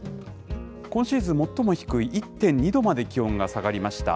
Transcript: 今シーズン最も低い１．２度まで気温が下がりました。